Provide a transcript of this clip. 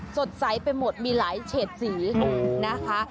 สดใสไปหมดมีหลายเฉดสีนะคะ